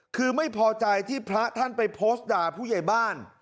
คือไม่พอใจที่พระท่านไปโพสต์ด่าผู้ใหญ่บ้าน